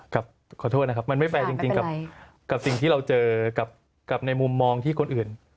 ขอโทษนะครับมันไม่แฟร์จริงกับสิ่งที่เราเจอกับในมุมมองที่คนอื่น